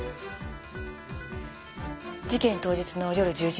事件当日の夜１０時